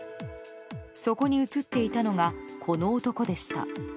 そこに映っていたのがこの男でした。